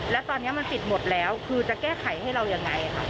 และตอนนี้มันติดหมดแล้วจะแก้ไขให้เราอย่างไร